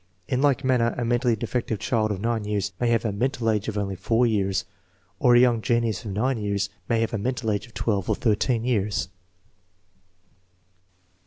In like manner, a menially defective child of years may have a, " menial age " of only 4 years, or a young genius of J) years may have a mental age of 12 or IJJ yeans.